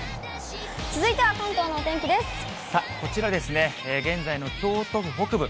さあ、こちらですね、現在の京都府北部。